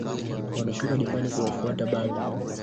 wanashuka dimbani kuwafuata bari